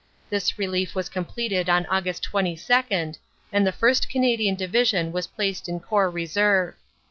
This relief was completed on Aug. 22, and the 1st. Canadian Division was placed in Corps Reserve.